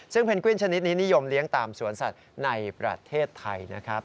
ซึ่งเพนกวินชนิดนี้นิยมเลี้ยงตามสวนสัตว์ในประเทศไทยนะครับ